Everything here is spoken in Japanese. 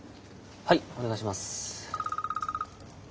はいお願いします。